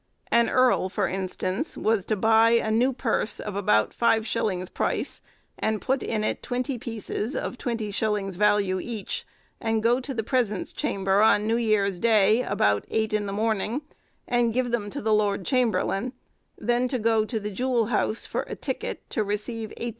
An earl, for instance, was to buy a new purse of about 5_s._ price, and put in it twenty pieces of 20_s._ value each, and go to the presence chamber on New Year's Day, about eight in the morning, and give them to the lord chamberlain; then to go to the jewel house for a ticket to receive 18_s.